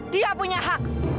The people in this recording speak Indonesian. dia punya hak